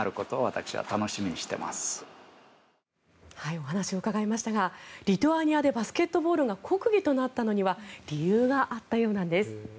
お話を伺いましたがリトアニアでバスケットボールが国技となったのには理由があったようなんです。